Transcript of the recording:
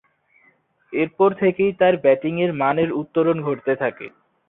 এরপর থেকেই তার ব্যাটিংয়ের মানের উত্তরণ ঘটতে থাকে।